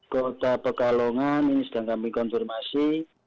kota pekalongan ini sedang kami konfirmasi